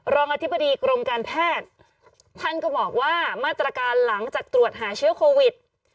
รองอธิบดีกรมการแพทย์ท่านก็บอกว่ามาตรการหลังจากตรวจหาเชื้อโควิด